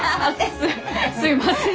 すいません。